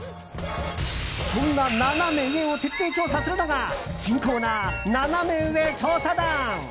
そんなナナメ上を徹底調査するのが新コーナー、ナナメ上調査団！